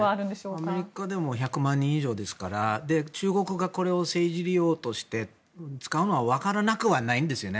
アメリカでも１００万人以上ですから中国が政治利用として使うのは分からなくはないんですよね。